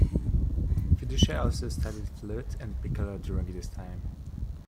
Fiducia also studied flute and piccolo during this time.